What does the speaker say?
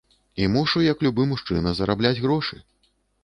І мушу як любы мужчына зарабляць грошы!